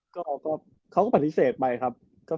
เขาก็ผ่านพิเศษไปครับ